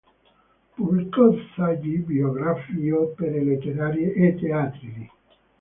Pubblicò saggi, biografie, opere letterarie e teatrali.